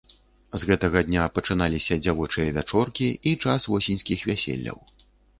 З гэтага дня пачыналіся дзявочыя вячоркі і час восеньскіх вяселляў.